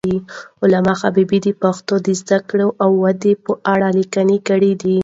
علامه حبیبي د پښتو د زوکړې او ودې په اړه لیکنې کړي دي.